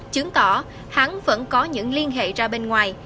chứng tỏ hắn vẫn có những liên hệ ra bên ngoài